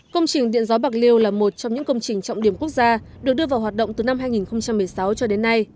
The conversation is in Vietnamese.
công trình điện gió bạc liêu là một trong những công trình trọng điểm quốc gia được đưa vào hoạt động từ năm hai nghìn một mươi sáu cho đến nay